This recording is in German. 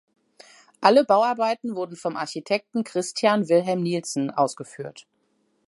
Alle Bauarbeiten wurden vom Architekten Christian Vilhelm Nielsen ausgeführt.